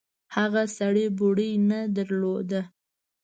هغه سړي بوړۍ نه درلوده.